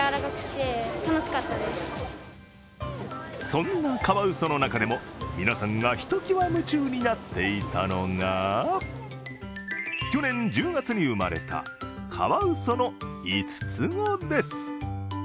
そんなカワウソの中でも皆さんがひときわ夢中になっていたのが去年１０月に生まれたカワウソの５つ子です。